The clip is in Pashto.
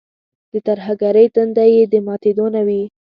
د ترهګرۍ تنده یې د ماتېدو نه وي.